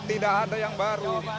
tidak ada yang baru